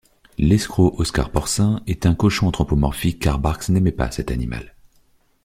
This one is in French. L'escroc Oscar Porcin est un cochon anthropomorphique car Barks n'aimait pas cet animal.